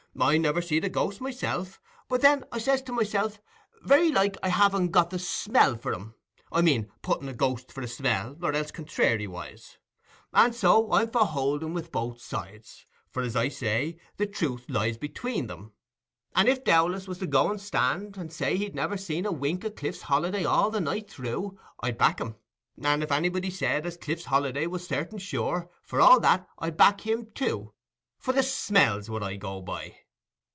I never see'd a ghost myself; but then I says to myself, "Very like I haven't got the smell for 'em." I mean, putting a ghost for a smell, or else contrairiways. And so, I'm for holding with both sides; for, as I say, the truth lies between 'em. And if Dowlas was to go and stand, and say he'd never seen a wink o' Cliff's Holiday all the night through, I'd back him; and if anybody said as Cliff's Holiday was certain sure, for all that, I'd back him too. For the smell's what I go by."